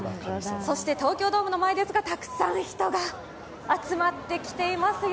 そして東京ドームの前ですがたくさん人が集まってきていますよ。